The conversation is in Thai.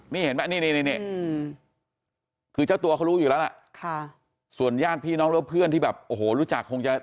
นี่เห็นไหมนี่คือเจ้าตัวเขารู้อยู่แล้วล่ะส่วนญาติพี่น้องแล้วเพื่อนที่แบบโอ้โหรู้จักคงจะ